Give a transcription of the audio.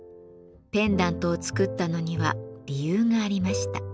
ペンダントを作ったのには理由がありました。